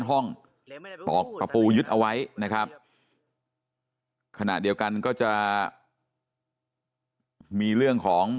ห้องตอกตะปูยึดเอาไว้นะครับขณะเดียวกันก็จะมีเรื่องของ